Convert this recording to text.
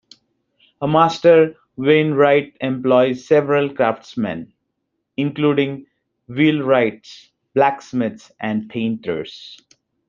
A master wainwright employs several craftsmen, including wheelwrights, blacksmiths and painters.